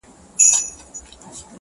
د درد د كړاوونو زنده گۍ كي يو غمى دی.